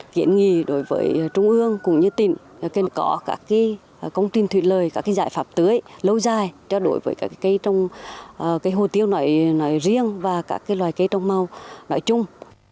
kiện nghỉ đối với trung ương cũng như tỉnh có các công ty thuyệt lời các giải pháp tưới lâu dài cho đối với các cây hổ tiêu nổi riêng và các loài cây trong màu nổi chung